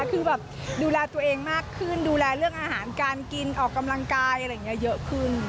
คือแบบดูแลตัวเองมากขึ้นดูแลเรื่องอาหารการกินออกกำลังกายอะไรอย่างนี้เยอะขึ้น